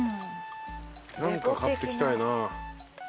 何か買っていきたいな。